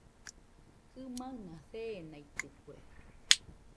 Kɨmaɨna seenaitɨkue